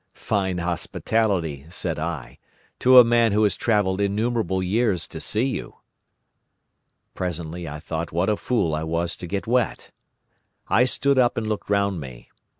'Fine hospitality,' said I, 'to a man who has travelled innumerable years to see you.' "Presently I thought what a fool I was to get wet. I stood up and looked round me.